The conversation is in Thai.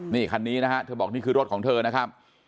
นี่คันนี้นะฮะเธอบอกนี่คือรถของเธอนะครับ